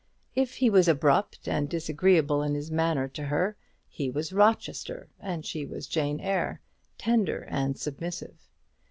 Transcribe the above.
If he was abrupt and disagreeable in his manner to her, he was Rochester; and she was Jane Eyre, tender and submissive.